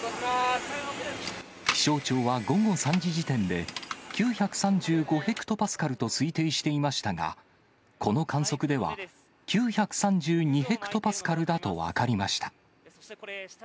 気象庁は午後３時時点で９３５ヘクトパスカルと推定していましたが、この観測では９３２ヘクトパスカルだと分かりました。